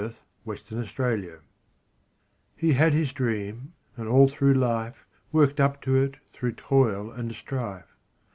HE HAD HIS DREAM He had his dream, and all through life, Worked up to it through toil and strife.